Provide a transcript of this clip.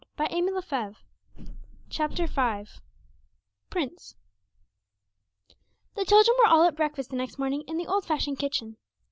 CHAPTER V Prince The children were all at breakfast the next morning in the old fashioned kitchen.